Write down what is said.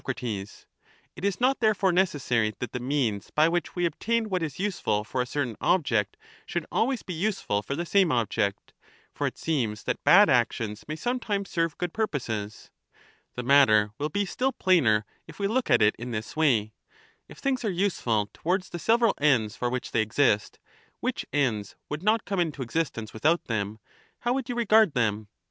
It is not therefore necessary that the means by which we obtain what is useful for a certain object should always be useful for the same object : for it seems that bad actions may sometimes serve good purposes? The matter will be still 405 plainer if we look at it in this way: — If things are useful towards the several ends for which they exist, which ends would not come into existence without them, how would you regard them?